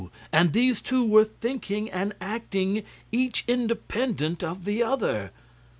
AND THESE TWO WERE THINKING AND ACTING EACH INDEPENDENT OF THE OTHER!